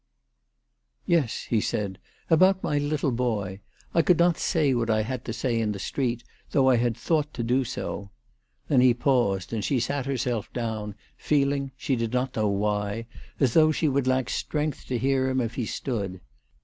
" YES ;" he said ;" about my little boy. I could not say what I had to say in the street, though I had thought to do so." Then he paused, and she sat her self down, feeling, she did not know why, as though she would lack strength to hear him if she stood.